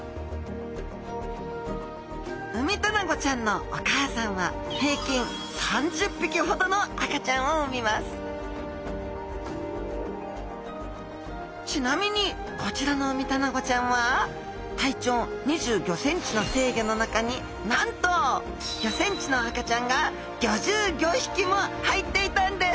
ウミタナゴちゃんのお母さんは平均３０匹ほどの赤ちゃんを産みますちなみにこちらのウミタナゴちゃんは体長２５ｃｍの成魚の中になんとも入っていたんです！